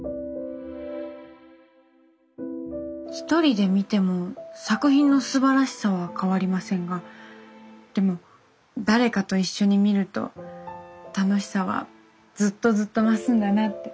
１人で見ても作品のすばらしさは変わりませんがでも誰かと一緒に見ると楽しさはずっとずっと増すんだなって。